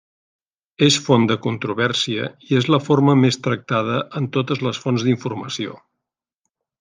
És font de controvèrsia i és la forma més tractada en totes les fonts d'informació.